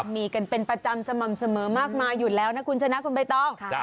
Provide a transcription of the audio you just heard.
มีกันเป็นประจำเสมอมากมายุ่นแล้วนะคุณชนะคุณใบต้อง